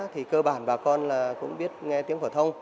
thì cơ bản bà con cũng biết nghe tiếng phổ thông